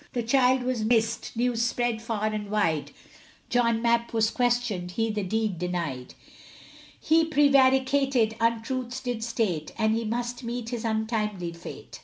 The child was missed news spread far and wide, John Mapp was questioned, he the deed denied, He prevaricated untruths did state, And he must meet his untimely fate.